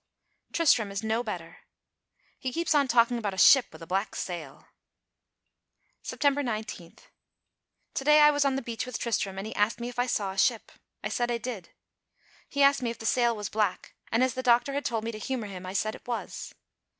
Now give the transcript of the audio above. Tristram is no better. He keeps on talking about a ship with a black sail. September 19. To day I was on the beach with Tristram and he asked me if I saw a ship. I said I did. He asked me if the sail was black, and as the doctor had told me to humour him, I said it was.